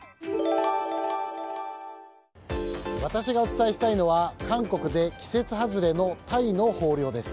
私がお伝えしたいのは韓国で季節外れのタイの豊漁です。